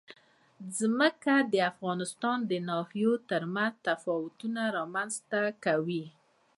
ځمکه د افغانستان د ناحیو ترمنځ تفاوتونه رامنځ ته کوي.